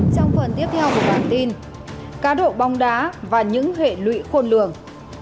trong phần tiếp theo của bản tin cá độ bóng đá và những hệ lụy khôn lường